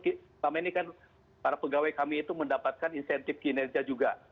selama ini kan para pegawai kami itu mendapatkan insentif kinerja juga